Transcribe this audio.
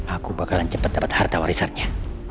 aku bakalan cepet dapet harta warisatnya